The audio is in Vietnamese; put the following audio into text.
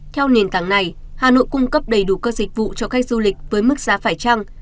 theo nền tảng này hà nội cung cấp đầy đủ các dịch vụ cho khách du lịch với mức giá phải trăng